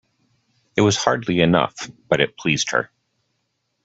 It was hardly enough; but it pleased her.